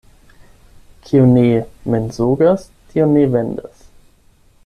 Kiu ne mensogas, tiu ne vendas.